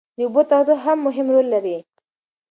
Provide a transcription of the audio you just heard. د اوبو تودوخه هم مهم رول لري.